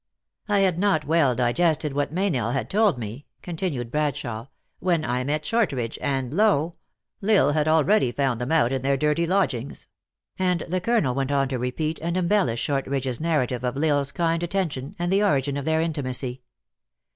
"I had not well digested what Meynell had told me," continued Bradshawe, "when I met Shortridge, and lo ! L Isle had already found them out in their dirty lodgings," and the colonel went on to repeat and embellish Shortridge s narrative of L Isle s kind atten tion, and the origin of their intimacy.